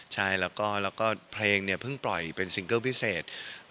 ใช่แล้วก็เพลงเนี่ยเพิ่งปล่อยเป็นซิงเกิลพิเศษ